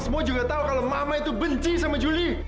semua juga tahu kalau mama itu benci sama julie